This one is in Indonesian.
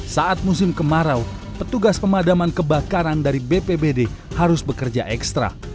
saat musim kemarau petugas pemadaman kebakaran dari bpbd harus bekerja ekstra